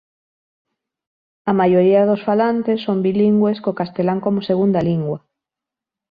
A maioría dos falantes son bilingües co castelán como segunda lingua.